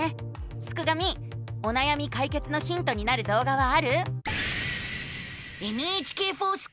すくがミおなやみかいけつのヒントになるどう画はある？